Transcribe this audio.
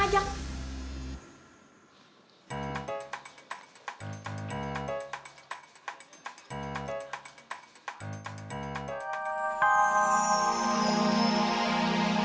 sampai jumpa lagi